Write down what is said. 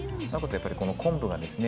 やっぱりこの昆布がですね